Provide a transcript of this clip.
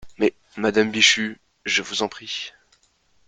Mais, madame Bichu, je vous en prie.